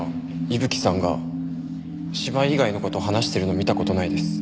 伊吹さんが芝居以外の事を話してるの見た事ないです。